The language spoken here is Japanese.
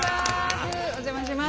お邪魔します。